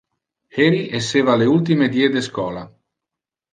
Heri esseva le ultime die de schola.